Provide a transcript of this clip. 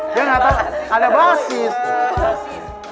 dia gak tau ada basis